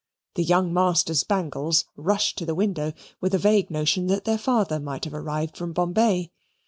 The young Masters Bangles rushed to the window with a vague notion that their father might have arrived from Bombay.